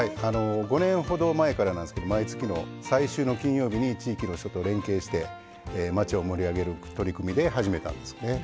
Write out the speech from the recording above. ５年ほど前からなんですけど毎月の最終の金曜日に地域の人と連携して街を盛り上げる取り組みで始めたんですよね。